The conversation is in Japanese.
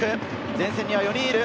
前線には４人いる。